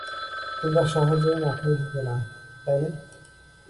তোমার সহজে মাথায় ঢোকে না, তাই না?